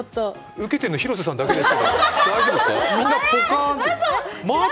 ウケてるの広瀬さんだけです。